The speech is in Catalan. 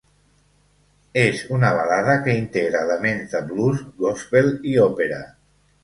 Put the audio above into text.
És una balada que integra elements de blues, gospel i òpera.